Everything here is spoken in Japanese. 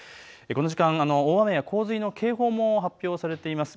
この時間、大雨や洪水の警報も発表されています。